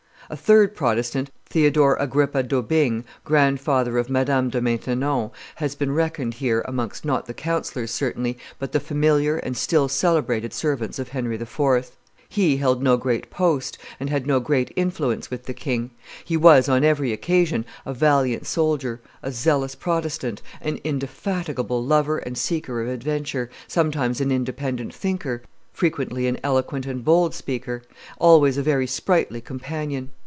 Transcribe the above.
A third Protestant, Theodore Agrippa d'Aubigne, grandfather of Madame de Maintenon, has been reckoned here amongst not the councillors, certainly, but the familiar and still celebrated servants of Henry IV. He held no great post, and had no great influence with the king; he was, on every occasion, a valiant soldier, a zealous Protestant, an indefatigable lover and seeker of adventure, sometimes an independent thinker, frequently an eloquent and bold speaker, always a very sprightly companion.